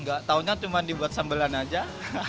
nggak tahunya cuma dibuat sambelan aja